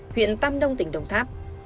huyện tam nông tỉnh đồng tháp